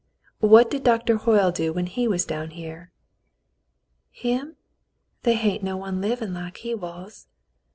"What did Doctor Hoyle do when he was down here ?" "Him ? They hain't no one livin' like he was."